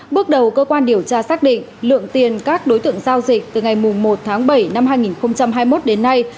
bước đầu cơ quan điều tra xác định lượng tiền các đối tượng giao dịch từ ngày một tháng bảy năm hai nghìn hai mươi một đến nay